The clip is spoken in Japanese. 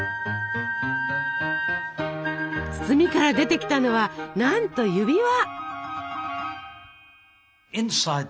包みから出てきたのはなんと指輪！